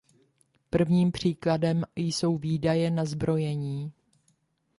Prvním příkladem jsou výdaje na zbrojení.